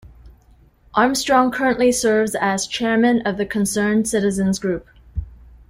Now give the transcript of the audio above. Armstrong currently serves as chairman of The Concerned Citizens Group.